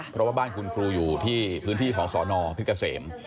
เพราะว่าบ้านคุณครูอยู่ที่พื้นที่ของสอนอเพชรเกษม